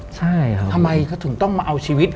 ทำไมก็ถึงต้องมาเอาชีวิต